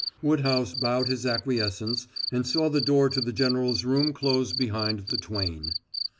Woodhouse bowed his acquiescence and saw the door to the general's room close behind the twain.